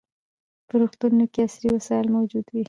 په روغتونونو کې عصري وسایل موجود وي.